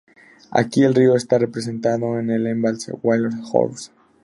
Aquí el río está represado en el embalse Wild Horse.